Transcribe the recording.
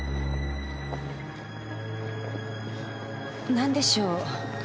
何でしょう？